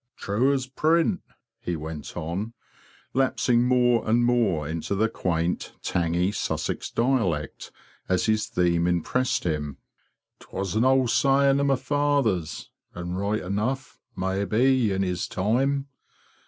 ""* True as print,''' he went on, lapsing more and more into the quaint, tangy Sussex dialect, as his theme impressed him; '' 'twas an old saying o' my father's; and right enough, maybe, in his time.